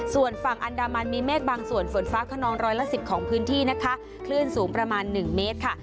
ส่วนฝั่งอันดามันมีเมฆบางส่วนฝนฟ้าขนองร้อยละสิบของพื้นที่นะคะคลื่นสูงประมาณ๑เมตรค่ะ